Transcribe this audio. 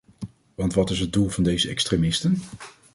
Want wat is het doel van deze extremisten?